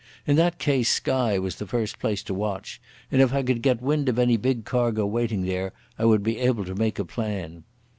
In that case Skye was the first place to watch, and if I could get wind of any big cargo waiting there I would be able to make a plan.